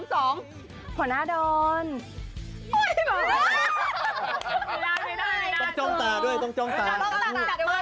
ต้องจ้องตาด้วย